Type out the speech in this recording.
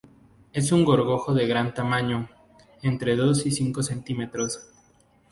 Es un gorgojo de gran tamaño, entre dos y cinco centímetros.